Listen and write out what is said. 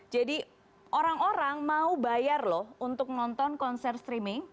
jadi orang orang mau bayar loh untuk nonton konser streaming